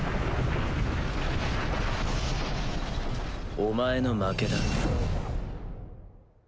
お前の負けだ。